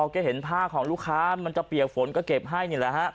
แกเห็นผ้าของลูกค้ามันจะเปียกฝนก็เก็บให้นี่แหละฮะ